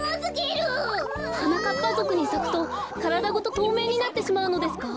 はなかっぱぞくにさくとからだごととうめいになってしまうのですか？